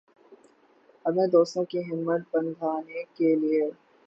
اپنے دوستوں کی ہمت بندھانے کے لئے